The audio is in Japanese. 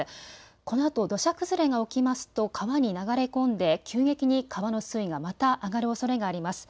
このあと、土砂崩れが起きますと川に流れ込んで、急激に川の水位がまた上がるおそれがあります。